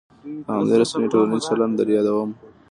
د همدې رسنیو ټولنیز چلن در یادوم.